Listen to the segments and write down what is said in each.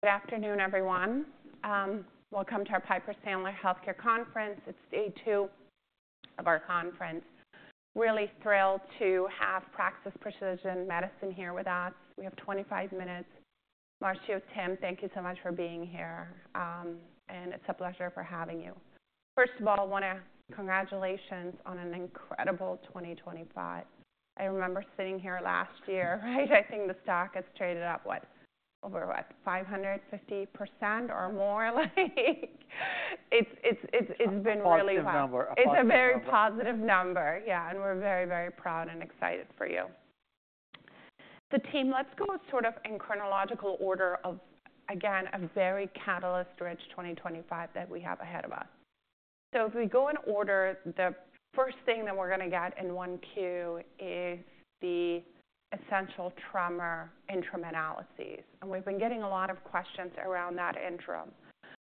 Good afternoon, everyone. Welcome to our Piper Sandler Healthcare Conference. It's day two of our conference. Really thrilled to have Praxis Precision Medicines here with us. We have 25 minutes. Marcio, Tim, thank you so much for being here, and it's a pleasure for having you. First of all, I want to congratulate you on an incredible 2025. I remember sitting here last year, right? I think the stock had traded up over 550% or more? Like, it's been really fun. Positive number. It's a very positive number. Yeah. And we're very, very proud and excited for you. The team, let's go sort of in chronological order of, again, a very catalyst-rich 2025 that we have ahead of us. So if we go in order, the first thing that we're going to get in Q1 is the essential tremor interim analyses. And we've been getting a lot of questions around that interim.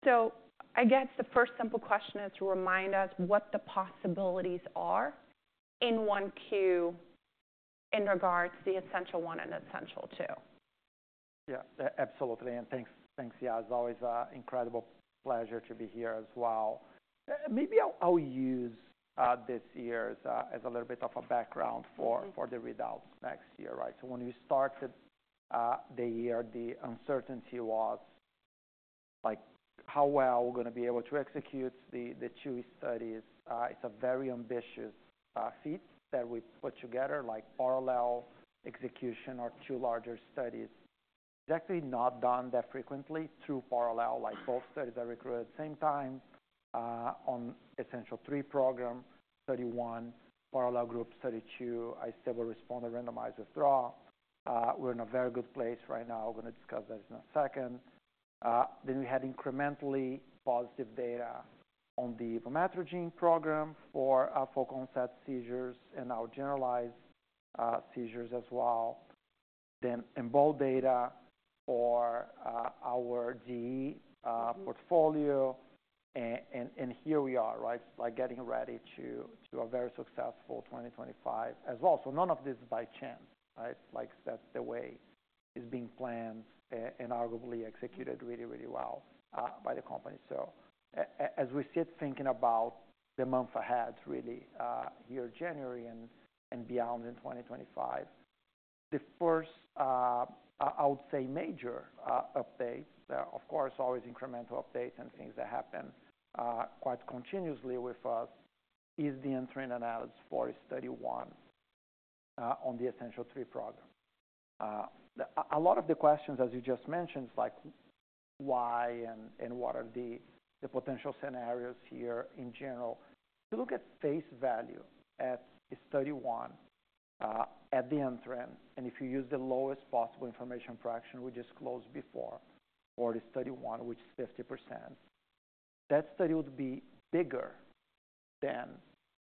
So I guess the first simple question is to remind us what the possibilities are in Q1 in regards to the Essential1 and Essential2. Yeah, absolutely, and thanks. Thanks. Yeah, it's always an incredible pleasure to be here as well. Maybe I'll use this year as a little bit of a background for the readouts next year, right? So when we started the year, the uncertainty was, like, how well we're going to be able to execute the two studies. It's a very ambitious feat that we put together, like parallel execution of two larger studies. It's actually not done that frequently through parallel, like both studies are recruited at the same time on Essential3 program, Essential1 parallel group, Essential2 stable responder randomized withdrawal. We're in a very good place right now. We're going to discuss that in a second. Then we had incrementally positive data on the program for focal onset seizures and our generalized seizures as well. Then EMBOLD data for our GE portfolio, and here we are, right? Like getting ready to a very successful 2025 as well. So none of this is by chance, right? Like that's the way it's being planned and arguably executed really, really well by the company. So as we sit thinking about the month ahead, really here, January and beyond in 2025, the first, I would say, major update, of course, always incremental updates and things that happen quite continuously with us, is the interim analysis for Study 1 on the Essential3 program. A lot of the questions, as you just mentioned, is like why and what are the potential scenarios here in general. If you look at face value at Study 1 at the interim, and if you use the lowest possible information fraction, we just closed before, or the Study 1, which is 50%, that study would be bigger than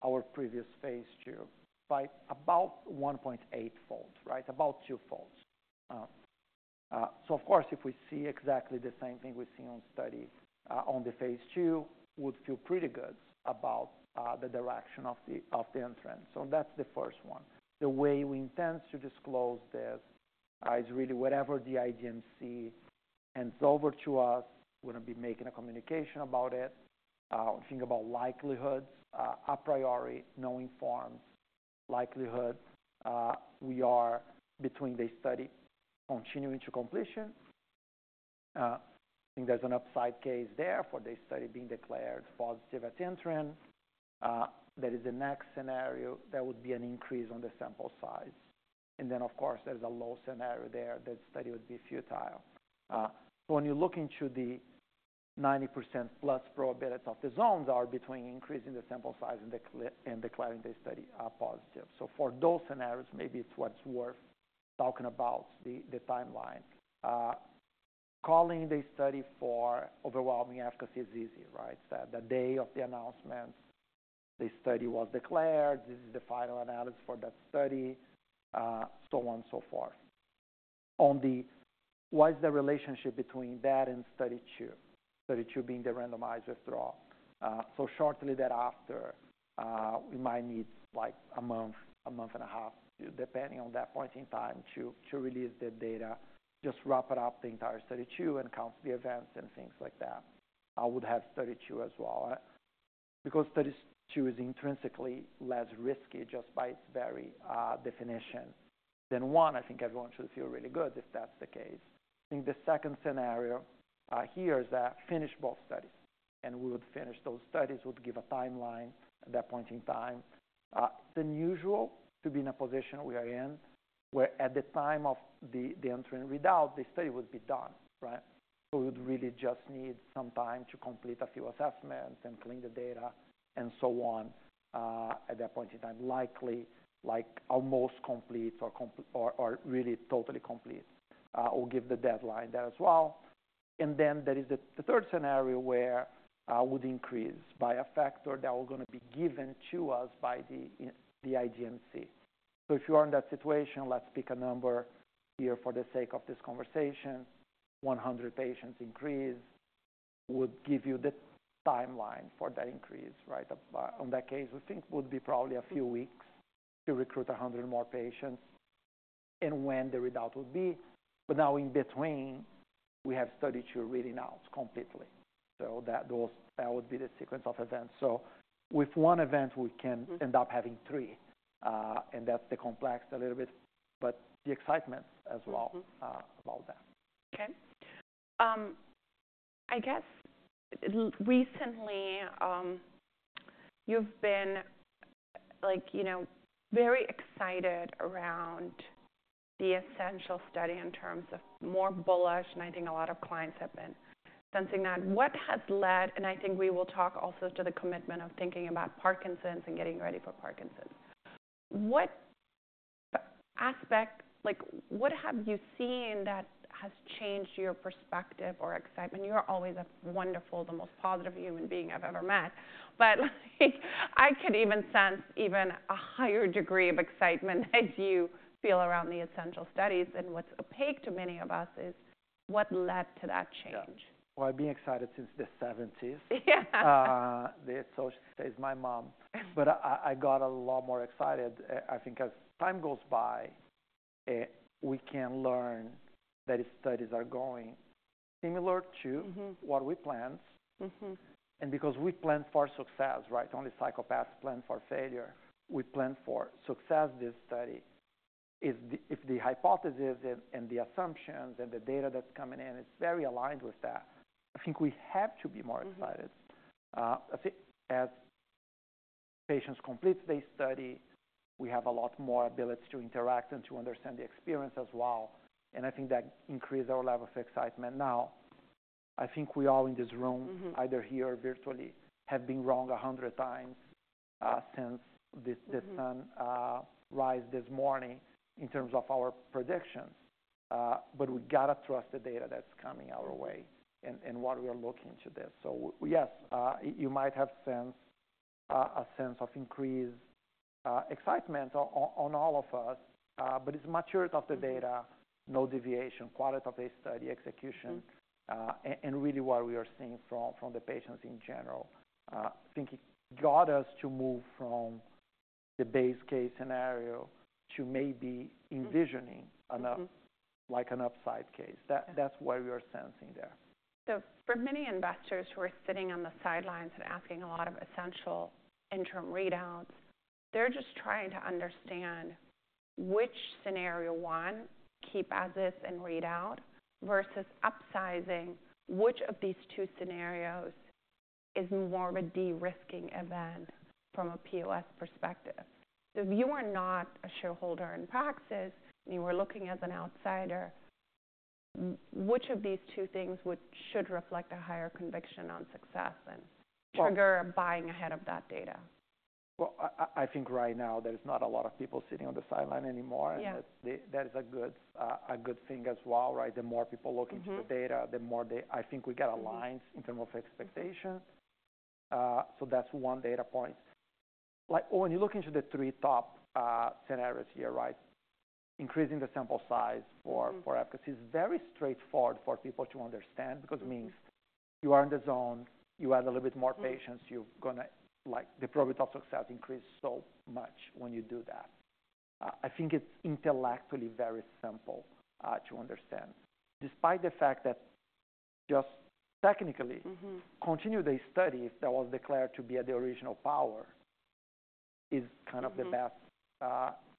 our previous Phase II by about 1.8-fold, right? About twofold. So of course, if we see exactly the same thing we see in the study in the phase II, we would feel pretty good about the direction of the interim. So that's the first one. The way we intend to disclose this is really whatever the IDMC hands over to us, we're going to be making a communication about it. We think about likelihoods a priori, knowing prior likelihood. The base case is the study continuing to completion. I think there's an upside case there for the study being declared positive at interim. That is the next scenario. That would be an increase in the sample size. And then, of course, there's a low scenario there. That study would be futile. So when you look into the 90%+ probability of the zones are between increasing the sample size and declaring the study positive. So for those scenarios, maybe it's what's worth talking about, the timeline. Calling the study for overwhelming efficacy is easy, right? The day of the announcement, the study was declared. This is the final analysis for that study, so on and so forth. What is the relationship between that and study two? Study two being the randomized withdrawal. So shortly thereafter, we might need like a month, a month and a half, depending on that point in time to release the data, just wrap it up the entire study two and count the events and things like that. I would have study two as well. Because study two is intrinsically less risky just by its very definition than one. I think everyone should feel really good if that's the case. I think the second scenario here is that finish both studies. And we would finish those studies, would give a timeline at that point in time. It's unusual to be in a position we are in where at the time of the interim readout, the study would be done, right? So we would really just need some time to complete a few assessments and clean the data and so on at that point in time. Likely like almost complete or really totally complete. We'll give the deadline there as well. And then there is the third scenario where it would increase by a factor that we're going to be given to us by the IDMC. So if you are in that situation, let's pick a number here for the sake of this conversation. 100 patients increase would give you the timeline for that increase, right? On that case, we think would be probably a few weeks to recruit 100 more patients. When the readout would be. Now in between, we have study two reading out completely. That would be the sequence of events. With one event, we can end up having three. That's the complex a little bit, but the excitement as well about that. Okay. I guess recently you've been like, you know, very excited around the essential study in terms of more bullish, and I think a lot of clients have been sensing that. What has led, and I think we will talk also to the commitment of thinking about Parkinson's and getting ready for Parkinson's. What aspect, like what have you seen that has changed your perspective or excitement? You're always a wonderful, the most positive human being I've ever met, but I could even sense a higher degree of excitement as you feel around the essential studies, and what's opaque to many of us is what led to that change. I've been excited since the 1970s. Yeah. The results. Says my mom. But I got a lot more excited. I think as time goes by, we can learn that studies are going similar to what we planned. And because we planned for success, right? Only psychopaths plan for failure. We planned for success this study. If the hypothesis and the assumptions and the data that's coming in is very aligned with that, I think we have to be more excited. As patients complete their study, we have a lot more ability to interact and to understand the experience as well. And I think that increased our level of excitement now. I think we all in this room, either here or virtually, have been wrong 100 times since the sunrise this morning in terms of our predictions. But we got to trust the data that's coming our way and what we are looking forward to this. So yes, you might have a sense of increased excitement on all of us. But it's maturity of the data, no deviation, quality of the study execution, and really what we are seeing from the patients in general. I think it got us to move from the base case scenario to maybe envisioning like an upside case. That's what we are sensing there. So for many investors who are sitting on the sidelines and asking a lot of essential interim readouts, they're just trying to understand which scenario one keep as is and read out versus upsizing which of these two scenarios is more of a de-risking event from a POS perspective. So if you are not a shareholder in Praxis and you were looking as an outsider, which of these two things should reflect a higher conviction on success and trigger buying ahead of that data? Well, I think right now there's not a lot of people sitting on the sideline anymore. And that is a good thing as well, right? The more people looking to the data, the more they I think we got aligned in terms of expectation. So that's one data point. Like when you look into the three top scenarios here, right, increasing the sample size for efficacy is very straightforward for people to understand because it means you are in the zone, you add a little bit more patients, you're going to like the probability of success increase so much when you do that. I think it's intellectually very simple to understand. Despite the fact that just technically continuing the study that was declared to be at the original power is kind of the best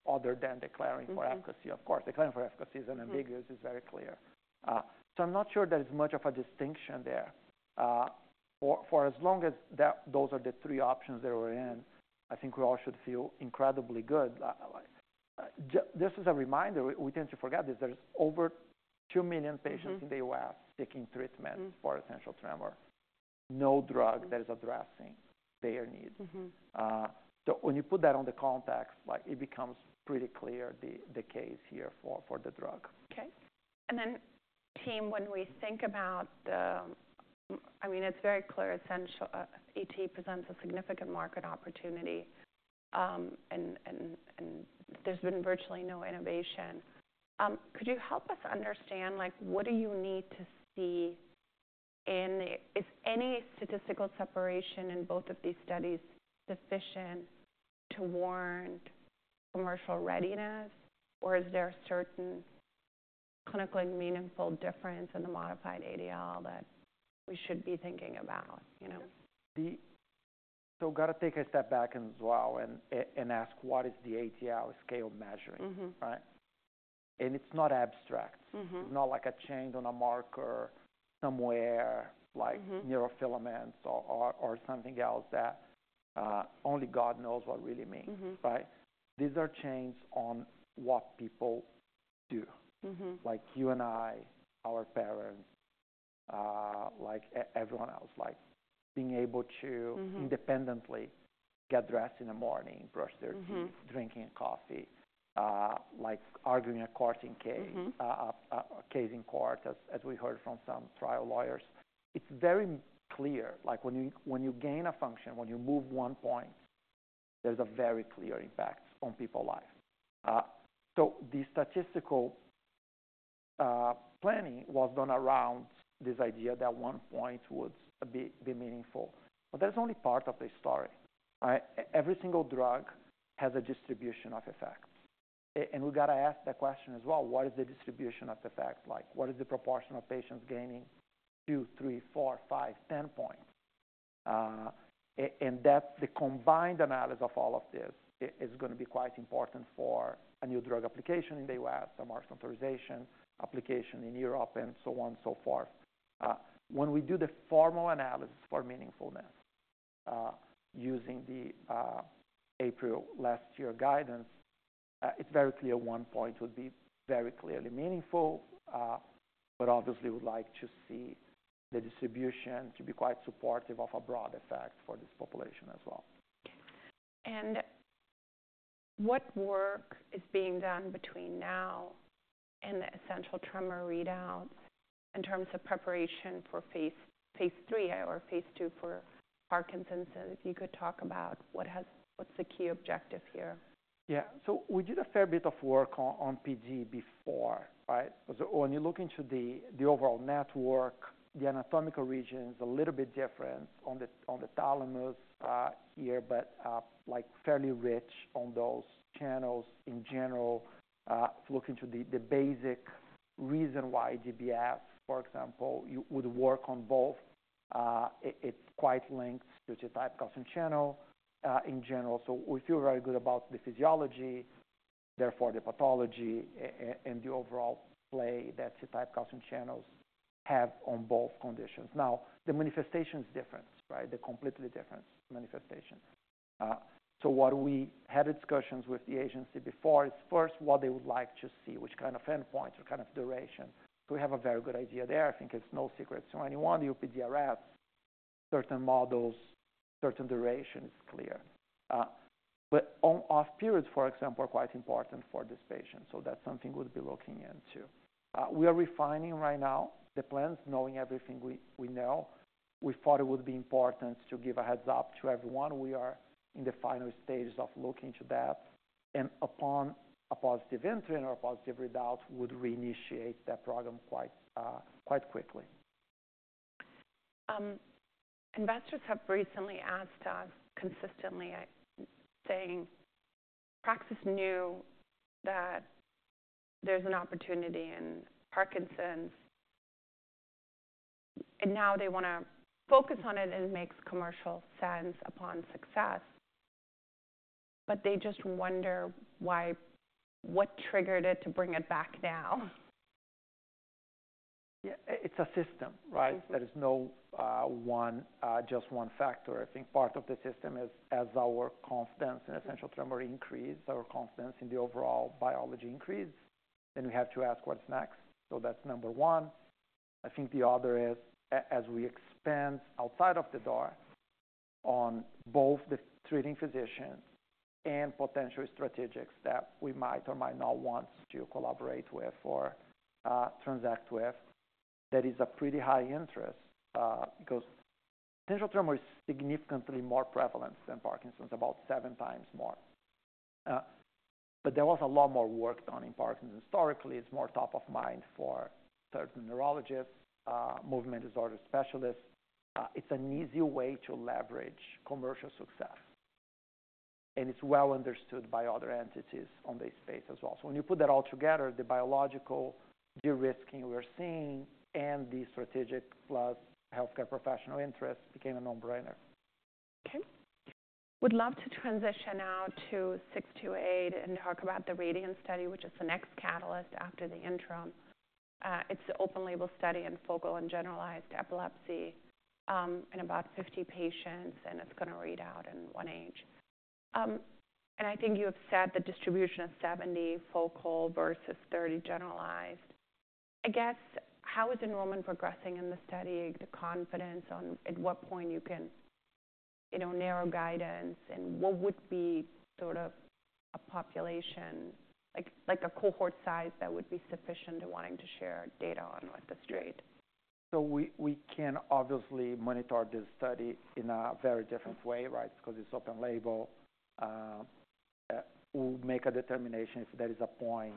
other than declaring for efficacy. Of course, declaring for efficacy is ambiguous. It's very clear. So I'm not sure there's much of a distinction there. For as long as those are the three options that we're in, I think we all should feel incredibly good. Just as a reminder, we tend to forget this. There's over two million patients in the U.S. seeking treatment for essential tremor. No drug that is addressing their needs. So when you put that on the context, like it becomes pretty clear the case here for the drug. Okay. And then, team, when we think about the, I mean, it's very clear essential ET presents a significant market opportunity and there's been virtually no innovation. Could you help us understand like what do you need to see in the, is any statistical separation in both of these studies sufficient to warrant commercial readiness? Or is there a certain clinically meaningful difference in the modified ADL that we should be thinking about? So, got to take a step back as well and ask what is the ADL scale measuring, right? And it's not abstract. It's not like a change in a marker somewhere like neurofilaments or something else that only God knows what really means, right? These are changes in what people do. Like you and I, our parents, like everyone else, like being able to independently get dressed in the morning, brush their teeth, drinking coffee, like arguing a case in court, as we heard from some trial lawyers. It's very clear. Like when you gain a function, when you move one point, there's a very clear impact on people's lives. So the statistical planning was done around this idea that one point would be meaningful. But that's only part of the story. Every single drug has a distribution of effects. We got to ask the question as well, what is the distribution of effects? Like, what is the proportion of patients gaining two, three, four, five, 10 points? And that's the combined analysis of all of this, is going to be quite important for a new drug application in the U.S., a market authorization application in Europe, and so on and so forth. When we do the formal analysis for meaningfulness using the April last year guidance, it's very clear one point would be very clearly meaningful. Obviously we'd like to see the distribution to be quite supportive of a broad effect for this population as well. Okay. And what work is being done between now and the essential tremor readouts in terms of preparation for phase III or phase II for Parkinson's? If you could talk about what's the key objective here? Yeah. So we did a fair bit of work on PD before, right? When you look into the overall network, the anatomical region is a little bit different on the thalamus here, but like fairly rich on those channels in general. If you look into the basic reason why DBS, for example, you would work on both, it's quite linked to the T-type calcium channel in general. So we feel very good about the physiology, therefore the pathology and the overall play that the T-type calcium channels have on both conditions. Now, the manifestation is different, right? They're completely different manifestations. So what we had discussions with the agency before is first what they would like to see, which kind of endpoints, what kind of duration. So we have a very good idea there. I think it's no secret to anyone. The UPDRS, certain models, certain duration is clear. But off periods, for example, are quite important for this patient. So that's something we'll be looking into. We are refining right now the plans, knowing everything we know. We thought it would be important to give a heads up to everyone. We are in the final stages of looking to that. And upon a positive interim or a positive readout, we would reinitiate that program quite quickly. Investors have recently asked us consistently, saying Praxis knew that there's an opportunity in Parkinson's. And now they want to focus on it and it makes commercial sense upon success. But they just wonder why, what triggered it to bring it back now? Yeah. It's a system, right? There is no just one factor. I think part of the system is as our confidence in essential tremor increases, our confidence in the overall biology increases, then we have to ask what's next. So that's number one. I think the other is as we expand outside of the door on both the treating physicians and potential strategics that we might or might not want to collaborate with or transact with, there is a pretty high interest because essential tremor is significantly more prevalent than Parkinson's, about seven times more. But there was a lot more work done in Parkinson's. Historically, it's more top of mind for certain neurologists, movement disorder specialists. It's an easy way to leverage commercial success. And it's well understood by other entities in this space as well. So when you put that all together, the biological de-risking we're seeing and the strategic plus healthcare professional interest became a no-brainer. Okay. Would love to transition now to 628 and talk about the Radiant study, which is the next catalyst after the interim. It's an open label study in focal and generalized epilepsy in about 50 patients, and it's going to read out in one year, and I think you have said the distribution of 70 focal versus 30 generalized. I guess how is enrollment progressing in the study? The confidence on at what point you can narrow guidance and what would be sort of a population, like a cohort size that would be sufficient to wanting to share data on what the straight. So we can obviously monitor this study in a very different way, right? Because it's open label. We'll make a determination if there is a point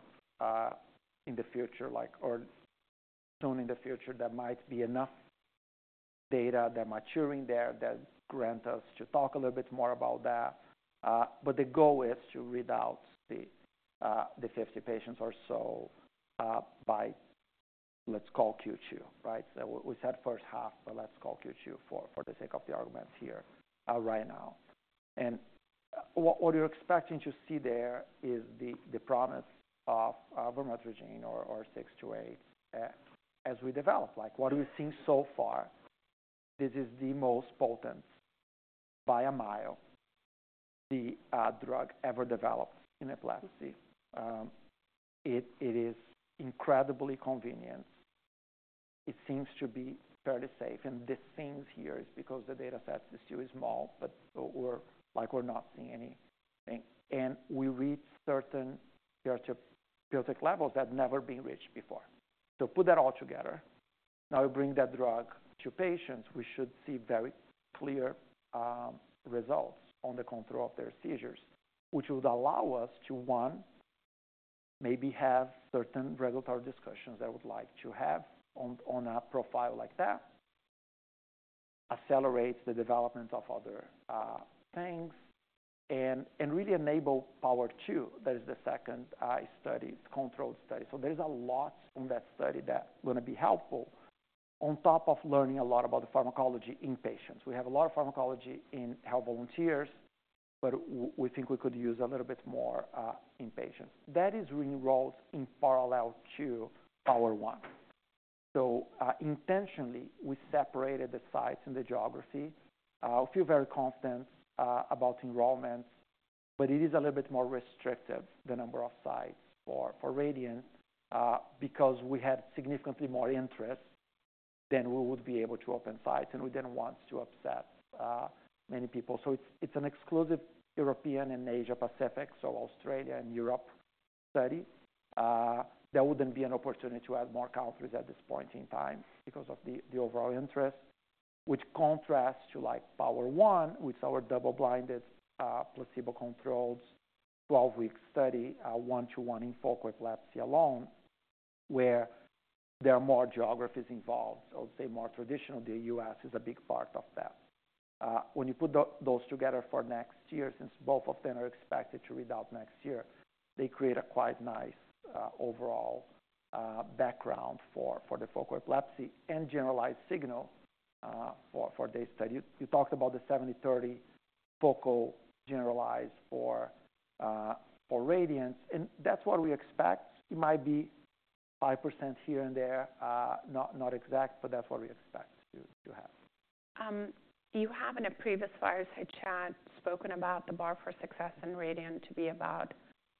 in the future, like or soon in the future, that might be enough data that maturing there that grant us to talk a little bit more about that. But the goal is to read out the 50 patients or so by, let's call Q2, right? So we said first half, but let's call Q2 for the sake of the arguments here right now. And what we're expecting to see there is the promise of vormatrigine or 628 as we develop. Like what we've seen so far, this is the most potent by a mile the drug ever developed in epilepsy. It is incredibly convenient. It seems to be fairly safe. The thing here is because the data sets are still small, but we're not seeing anything. We reach certain PK to PD tech levels that have never been reached before. Put that all together. Now we bring that drug to patients, we should see very clear results on the control of their seizures, which would allow us to, one, maybe have certain regulatory discussions I would like to have on a profile like that, accelerate the development of other things, and really enable Power2. That is the second study, controlled study. There's a lot in that study that's going to be helpful on top of learning a lot about the pharmacology in patients. We have a lot of pharmacology in healthy volunteers, but we think we could use a little bit more in patients. That is re-enrolled in parallel to Power1. So intentionally, we separated the sites and the geography. I feel very confident about enrollments, but it is a little bit more restrictive, the number of sites for Radiant because we had significantly more interest than we would be able to open sites. And we didn't want to upset many people. So it's an exclusive European and Asia-Pacific, so Australia and Europe study. There wouldn't be an opportunity to add more countries at this point in time because of the overall interest, which contrasts to like Power1, which is our double-blinded placebo-controlled 12-week study, one-to-one in focal epilepsy alone, where there are more geographies involved. I would say more traditional, the U.S. is a big part of that. When you put those together for next year, since both of them are expected to read out next year, they create a quite nice overall background for the focal epilepsy and generalized signal for this study. You talked about the 70-30 focal generalized for Radiant. And that's what we expect. It might be 5% here and there, not exact, but that's what we expect to have. You have, in a previous fireside chat, spoken about the bar for success in Radiant to be about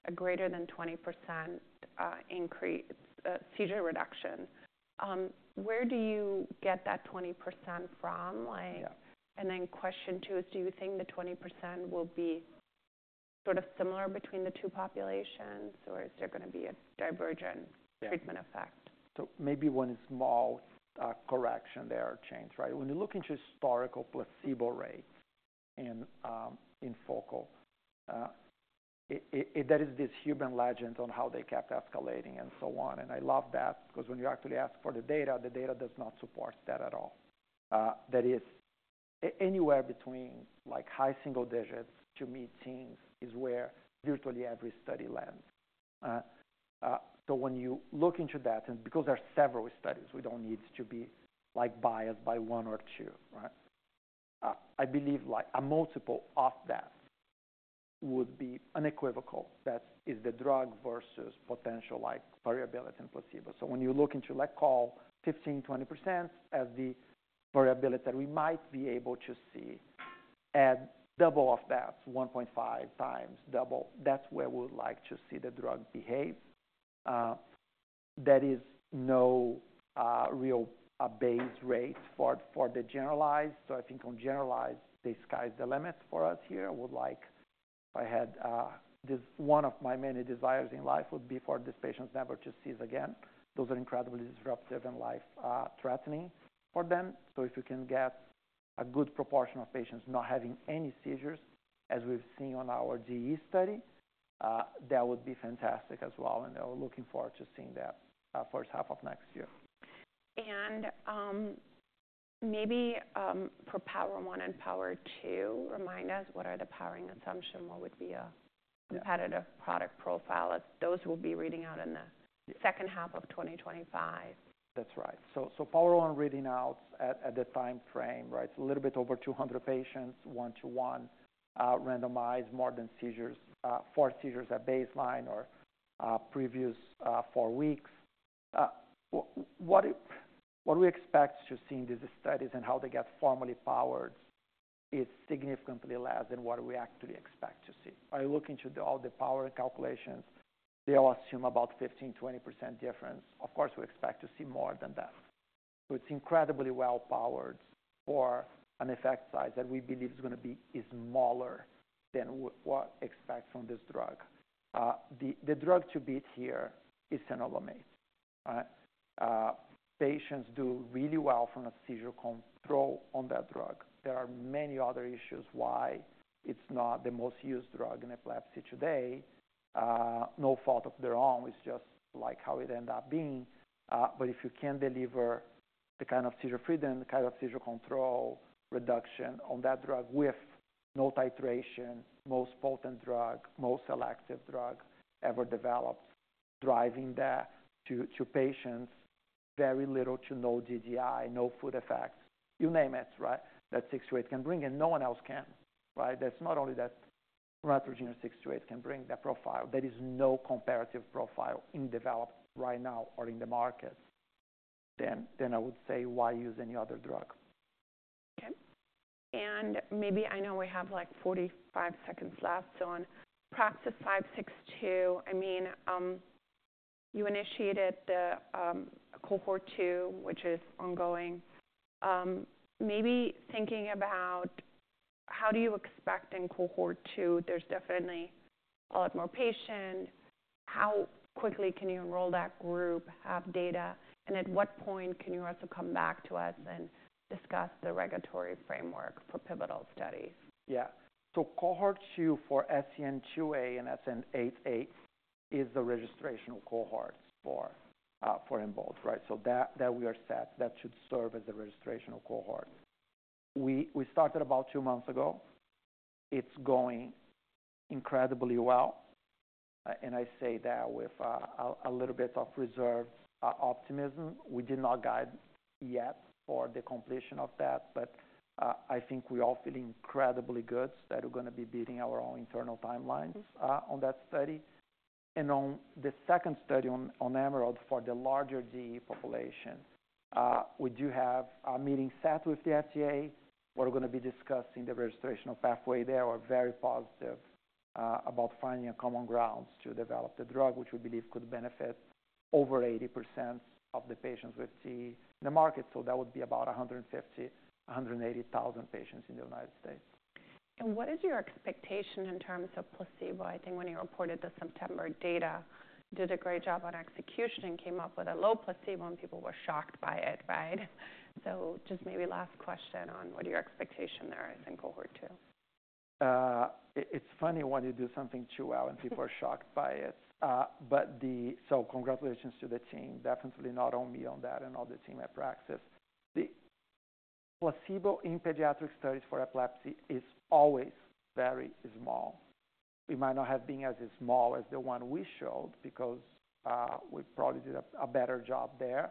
a greater than 20% increase seizure reduction. Where do you get that 20% from? And then question two is, do you think the 20% will be sort of similar between the two populations, or is there going to be a divergent treatment effect? So maybe one small correction there or change, right? When you look into historical placebo rates in focal, that is this urban legend on how they kept escalating and so on. And I love that because when you actually ask for the data, the data does not support that at all. That is anywhere between like high single digits to mid-teens is where virtually every study lands. So when you look into that, and because there are several studies, we don't need to be like biased by one or two, right? I believe like a multiple of that would be unequivocal that it's the drug versus potential like variability in placebo. So when you look into like, call 15%-20% as the variability that we might be able to see at double of that, 1.5 times double, that's where we would like to see the drug behave. There is no real base rate for the generalized. So I think on generalized, the sky is the limit for us here. I would like if I had this one of my many desires in life would be for these patients never to seize again. Those are incredibly disruptive and life-threatening for them. So if we can get a good proportion of patients not having any seizures as we've seen on our GE study, that would be fantastic as well, and we're looking forward to seeing that first half of next year. Maybe for Power1 and Power2, remind us, what are the powering assumptions? What would be a competitive product profile as those will be reading out in the second half of 2025? That's right. So Power1 reading out at the time frame, right? It's a little bit over 200 patients, one-to-one, randomized more than seizures, four seizures at baseline or previous four weeks. What we expect to see in these studies and how they get formally powered is significantly less than what we actually expect to see. I look into all the power calculations, they all assume about 15%-20% difference. Of course, we expect to see more than that. So it's incredibly well powered for an effect size that we believe is going to be smaller than what expects from this drug. The drug to beat here is phenobarbital. Patients do really well from a seizure control on that drug. There are many other issues why it's not the most used drug in epilepsy today. No fault of their own, it's just like how it ended up being. But if you can deliver the kind of seizure freedom, the kind of seizure control reduction on that drug with no titration, most potent drug, most selective drug ever developed, driving that to patients very little to no DDI, no food effects, you name it, right? That 628 can bring and no one else can, right? That's the only profile that vormatrigine or 628 can bring. There is no comparative profile in development right now or in the market, then I would say why use any other drug? Okay. And maybe I know we have like 45 seconds left. So on PRAX-562, I mean, you initiated the cohort two, which is ongoing. Maybe thinking about how do you expect in cohort two, there's definitely a lot more patients. How quickly can you enroll that group, have data? And at what point can you also come back to us and discuss the regulatory framework for pivotal studies? Yeah. So cohort two for SCN2A and SCN8A is the registration cohorts for EMBOLD, right? So that we are set, that should serve as the registration cohort. We started about two months ago. It's going incredibly well. And I say that with a little bit of reserved optimism. We did not guide yet for the completion of that, but I think we all feel incredibly good that we're going to be beating our own internal timelines on that study. And on the second study on Radiant for the larger GE population, we do have a meeting set with the FDA. We're going to be discussing the registration of pathway there. We're very positive about finding a common ground to develop the drug, which we believe could benefit over 80% of the patients with GE in the market. So that would be about 150,000-180,000 patients in the United States. What is your expectation in terms of placebo? I think when you reported the September data, did a great job on execution and came up with a low placebo and people were shocked by it, right? Just maybe last question on what are your expectations there as in cohort two? It's funny when you do something too well and people are shocked by it. But so, congratulations to the team, definitely not only on that and all the team at Praxis. The placebo in pediatric studies for epilepsy is always very small. It might not have been as small as the one we showed because we probably did a better job there.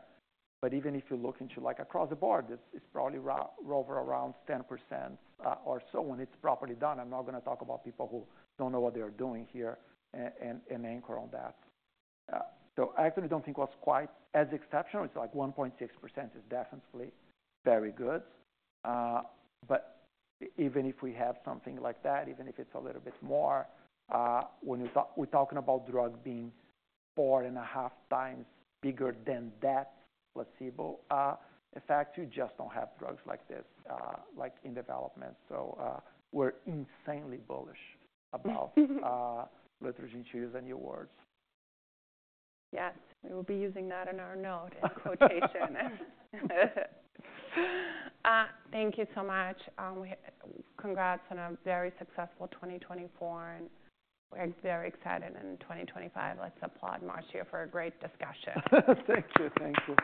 But even if you look into like across the board, it's probably over around 10% or so when it's properly done. I'm not going to talk about people who don't know what they're doing here and anchor on that. So I actually don't think it was quite as exceptional. It's like 1.6% is definitely very good. But even if we have something like that, even if it's a little bit more, when we're talking about drug being four and a half times bigger than that placebo effect, you just don't have drugs like this in development. So we're insanely bullish about relutrigine and ulixacaltamide. Yes. We will be using that in our note and quotation. Thank you so much. Congrats on a very successful 2024. And we're very excited in 2025. Let's applaud Marcio for a great discussion. Thank you. Thank you.